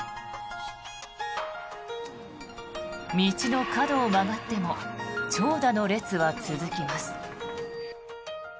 道の角を曲がっても長蛇の列は続きます。